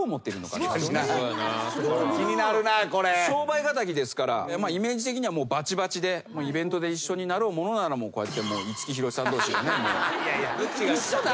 商売敵ですからイメージ的にはバチバチでイベントで一緒になろうものならこうやって五木ひろしさん同士でね。